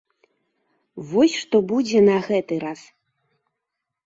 Вось што будзе на гэты раз.